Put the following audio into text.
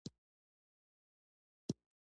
ما وویل د لیلا او مجنون ترمنځ فراق مې نه دی خوښ.